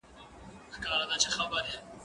زه بايد مړۍ وخورم؟